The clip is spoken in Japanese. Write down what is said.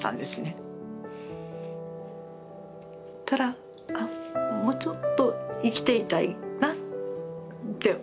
そしたらあもうちょっと生きていたいなって思いが。